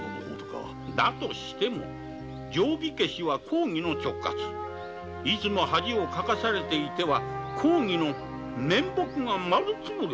だが定火消しは公儀の直轄いつも恥をかかされていては公儀の面目が丸つぶれじゃ。